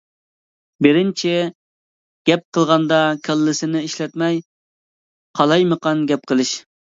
بىرىنچى: گەپ قىلغاندا كاللىسىنى ئىشلەتمەي، قالايمىقان گەپ قىلىش.